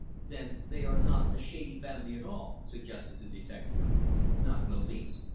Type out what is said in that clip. "Then they are not a shady family at all?" suggested the detective. "Not in the least.